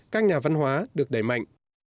các nhà văn hóa được đẩy mạnh